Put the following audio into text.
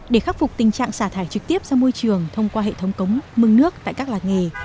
để khắc phục tình trạng xả thải trực tiếp ra môi trường thông qua hệ thống cống mưng nước tại các làng nghề